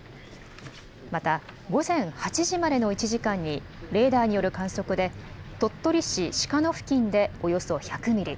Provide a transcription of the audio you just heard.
また、午前８時までの１時間に、レーダーによる観測で、鳥取市鹿野付近でおよそ１００ミリ、